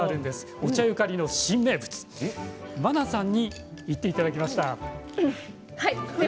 お茶ゆかりの新名物茉奈さんに行っていただきました。